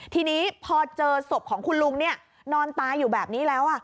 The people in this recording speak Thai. ทีนี้พอเจอศพของคุณลุงนอนตายอยู่แบบนี้แล้ว